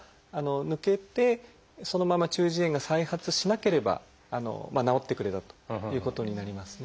抜けてそのまま中耳炎が再発しなければ治ってくれたということになりますね。